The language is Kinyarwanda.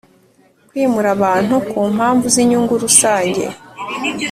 Kwimura abantu ku mpamvu z’inyungu rusange